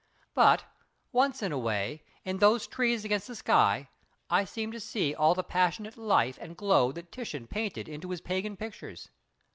But, once in a way, in those trees against that sky I seem to see all the passionate life and glow that Titian painted into his pagan pictures.